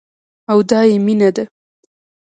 او دايې مينه ده.